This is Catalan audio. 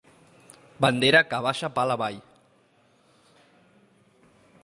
Bandera que baixa pal avall.